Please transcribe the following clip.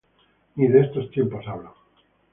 Ni de estos tiempos hablan;